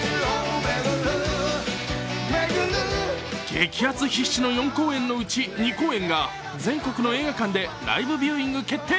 激熱必至の４公演のうち２公演が全国の映画館でライブビューイング決定。